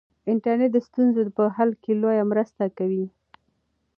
انټرنیټ د ستونزو په حل کې لویه مرسته کوي.